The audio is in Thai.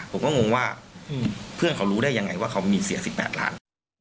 ผมก็งงว่าเพื่อนเขารู้ได้ยังไงว่าเขามีเสีย๑๘ล้าน